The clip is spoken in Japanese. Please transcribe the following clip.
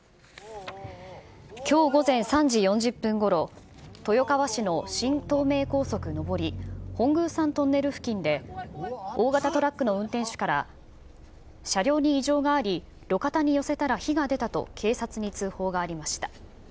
きょう午前３時４０分ごろ、豊川市の新東名高速上り本宮山トンネル付近で、大型トラックの運転手から、車両に異常があり、路肩に寄せたら火が出たと警察に通報がありました。